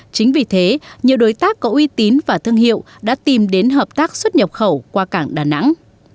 chính vì thế nhiều đối tác có uy tín và thương hiệu đã tìm đến hợp tác xuất nhập khẩu qua cảng đà nẵng